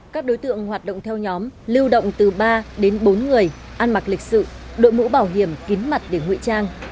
các đối tượng hoạt động theo nhóm lưu động từ ba đến bốn người ăn mặc lịch sự đội mũ bảo hiểm kín mặt để ngụy trang